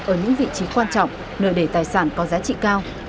ở những vị trí quan trọng nơi để tài sản có giá trị cao